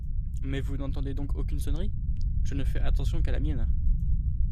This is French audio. Mais vous n'entendez donc aucune sonnerie ? Je ne fais attention qu'à la mienne.